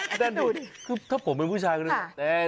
แฮนดินคือถ้าผมเป็นผู้ชายก็จะอย่างนั้น